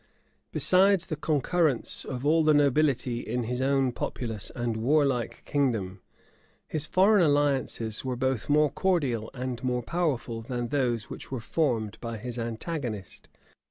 Besides the concurrence of all the nobility in his own populous and warlike kingdom, his foreign alliances were both more cordial and more powerful than those which were formed by his antagonist.